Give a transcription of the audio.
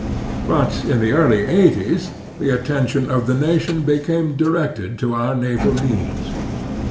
But in the early eighties the attention of the nation became directed to otu* naval needs.